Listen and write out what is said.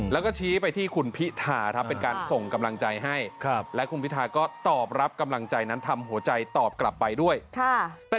ซึ้งกินใจนะตอนเพลงสนุกทำยังไงคุณพิธาซึ้งสิครับมีจังหวะเต้นด้วยนี่